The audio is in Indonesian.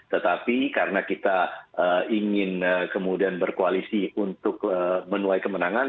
tetapi karena kita ingin kemudian berkoalisi untuk menuai kemenangan